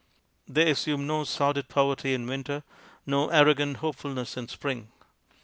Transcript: They as sume no sordid poverty in winter, no arro gant hopefulness in spring.